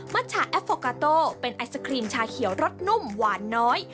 ชะแอฟโฟกาโตเป็นไอศครีมชาเขียวรสนุ่มหวานน้อย